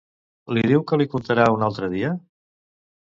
Li diu que li contarà un altre dia?